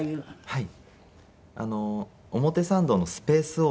はい。